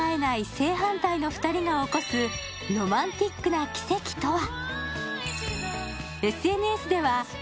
正反対の２人が起こすロマンティックな奇跡とは。